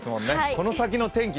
この先の天気